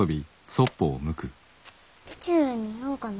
父上に言おうかな。